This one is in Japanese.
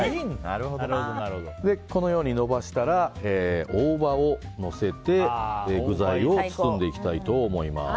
このように延ばしたら大葉をのせて具材を包んでいきたいと思います。